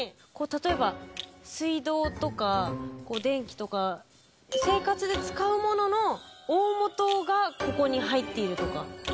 例えば水道とか電気とか生活で使うものの大本がここに入っているとか。